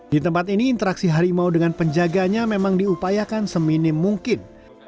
di tempat ini interaksi harimau dengan penjaganya memang diupayakan seminim mungkin